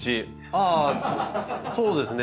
ああそうですね。